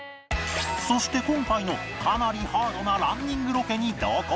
そして今回のかなりハードなランニングロケに同行するのが